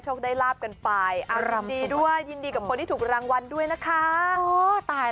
ได้ลาบกันไปอารมณ์ดีด้วยยินดีกับคนที่ถูกรางวัลด้วยนะคะ